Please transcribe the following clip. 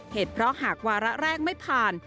เหตุเพราะหากวาระแรกไม่ผ่าน